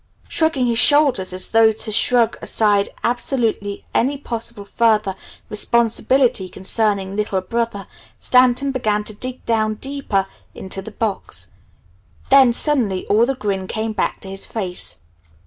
Shrugging his shoulders as though to shrug aside absolutely any possible further responsibility concerning, "little brother," Stanton began to dig down deeper into the box. Then suddenly all the grin came back to his face.